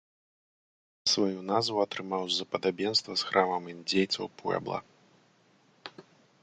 Сваю назву атрымаў з-за падабенства з храмам індзейцаў-пуэбла.